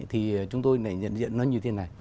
thì chúng tôi lại nhận diện nó như thế này